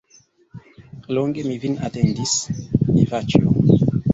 Longe mi vin atendis, Ivaĉjo!